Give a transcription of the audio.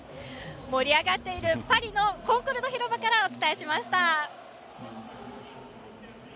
盛り上がっているパリのコンコルド広場からお伝えしました。